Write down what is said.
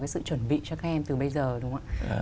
sự chuẩn bị cho các em từ bây giờ đúng không ạ